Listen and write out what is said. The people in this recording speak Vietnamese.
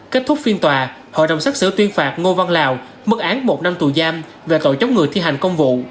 kết thúc phiên tòa hội đồng xác xử tuyên phạt ngô văn lào mức án một năm tù giam về tội chống người thi hành công vụ